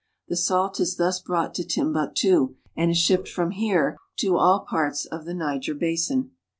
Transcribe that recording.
The salt is thus brought to Timbuktu, and is shipped from here to all parts of the Niger basin.